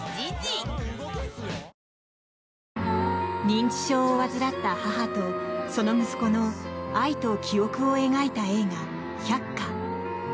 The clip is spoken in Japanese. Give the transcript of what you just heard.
認知症を患った母とその息子の愛と記憶を描いた映画「百花」。